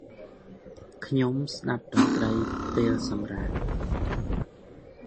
ខ្ញុំស្តាប់តន្ត្រីពេលសម្រាក។